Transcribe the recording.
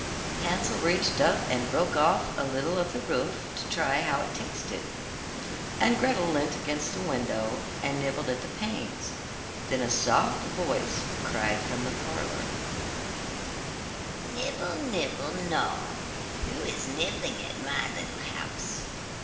Hansel reached up above, and broke off a little of the roof to try how it tasted, and Gretel leant against the window and nibbled at the panes. Then a soft voice cried from the parlour: 'Nibble, nibble, gnaw, Who is nibbling at my little house?